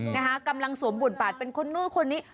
นะคะกำลังสวมบทบาทเป็นคนนู้นคนนี้